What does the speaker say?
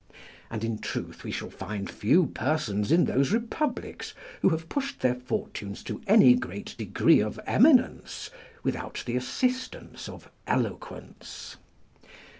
And in truth, we shall find few persons in those republics who have pushed their fortunes to any great degree of eminence without the assistance of eloquence.